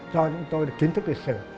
cho chúng tôi kiến thức lịch sử